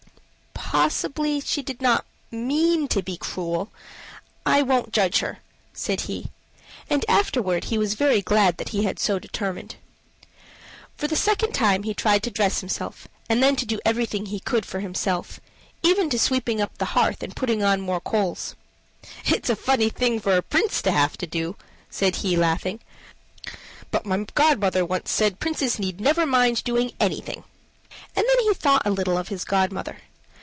"Possibly she did not mean to be cruel. I won't judge her," said he. And afterward he was very glad that he had so determined. For the second time he tried to dress himself, and then to do everything he could for himself even to sweeping up the hearth and putting on more coals. "It's a funny thing for a prince to have to do," said he, laughing. "But my godmother once said princes need never mind doing anything." And then he thought a little of his godmother.